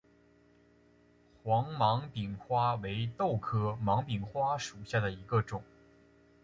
黄芒柄花为豆科芒柄花属下的一个种。